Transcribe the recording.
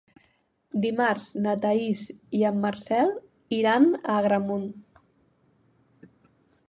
Dimarts na Thaís i en Marcel iran a Agramunt.